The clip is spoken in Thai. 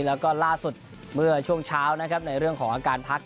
แล้วก็ล่าสุดเมื่อช่วงเช้านะครับในเรื่องของอาการพัก